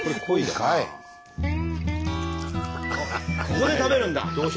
ここで食べるんだ。